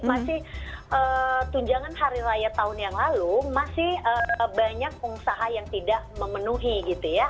masih tunjangan hari raya tahun yang lalu masih banyak pengusaha yang tidak memenuhi gitu ya